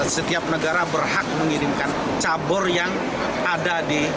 setiap negara berhak mengirimkan cabur yang ada di